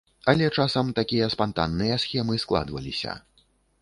Але часам такія спантанныя схемы складваліся.